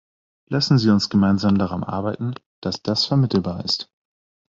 Lassen Sie uns gemeinsam daran arbeiten, dass das vermittelbar ist.